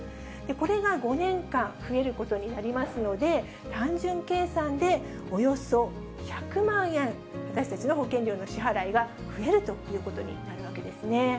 これが５年間増えることになりますので、単純計算でおよそ１００万円、私たちの保険料の支払いが増えるということになるわけですね。